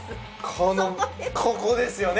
このここですよね。